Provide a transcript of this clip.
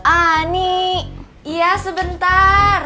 ani iya sebentar